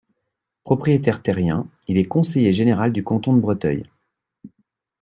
Propriétaire terrien, il est conseiller général du canton de Breteuil.